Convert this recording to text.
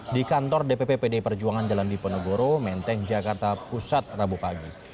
di kantor dpp pdi perjuangan jalan diponegoro menteng jakarta pusat rabu pagi